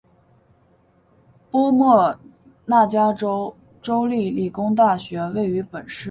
波莫纳加州州立理工大学位于本市。